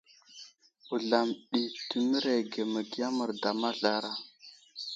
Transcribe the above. Wuzlam ɗi təmerege məgiya merda mazlara.